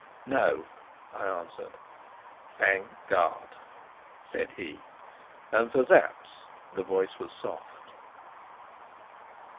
"No," I answered. "Thank God!" said he. And, for Sapt's, the voice was soft.